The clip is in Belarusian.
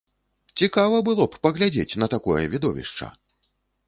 Цікава было б паглядзець на такое відовішча!